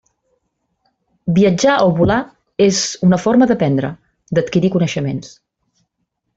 Viatjar o volar és una forma d'aprendre, d'adquirir coneixements.